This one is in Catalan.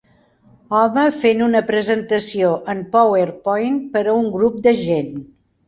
Home fent una presentació en PowerPoint per a un grup de gent.